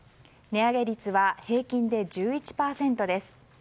値上げ率は平均で１１％です。